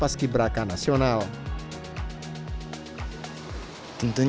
team member kinyataan iedereen